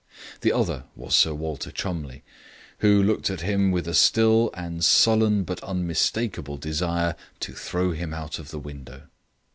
The other was Sir Walter Cholmondeliegh, who looked at him with a still and sullen but unmistakable desire to throw him out of the window.